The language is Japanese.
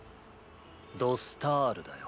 ド・スタールだよ。